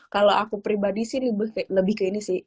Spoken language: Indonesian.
kalau aku pribadi sih lebih ke ini sih